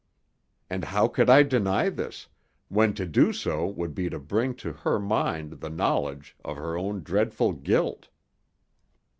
And how could I deny this, when to do so would be to bring to her mind the knowledge of her own dreadful guilt?